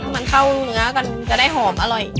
มันเข้าเนื้อกันจะได้หอมอร่อย